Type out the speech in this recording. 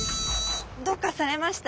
どうかされました？